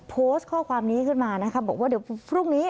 โพสต์ข้อความนี้ขึ้นมานะคะบอกว่าเดี๋ยวพรุ่งนี้